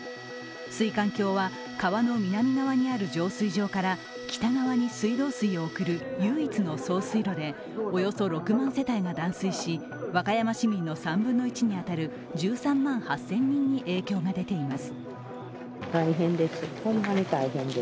水管橋は川の南側にある浄水場から北側に水道水を送る唯一の送水路でおよそ６万世帯が断水し、和歌山市民のおよそ３分の１に当たる１３万８０００人に影響が出ています。